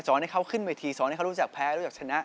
ให้เขาขึ้นเวทีสอนให้เขารู้จักแพ้รู้จักชนะ